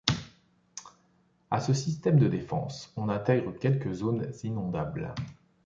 À ce système de défense, on intègre quelques zones inondables.